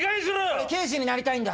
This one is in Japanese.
俺刑事になりたいんだ。